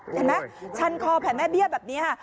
เห็นไหมชันคอแผนแม่เบี้ยแบบนี้ค่ะ